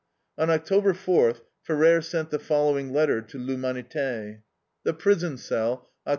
On October fourth Ferrer sent the following letter to L'HUMANITE: The Prison Cell, Oct.